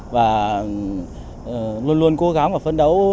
và luôn luôn cố gắng và phấn đấu